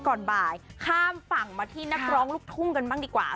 ก่อนบ่ายข้ามฝั่งมาที่นักร้องลูกทุ่งกันบ้างดีกว่า